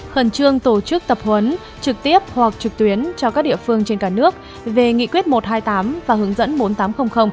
khẩn trương tổ chức tập huấn trực tiếp hoặc trực tuyến cho các địa phương trên cả nước về nghị quyết một trăm hai mươi tám và hướng dẫn bốn nghìn tám trăm linh